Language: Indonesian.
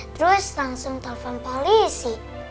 terus langsung telepon polisi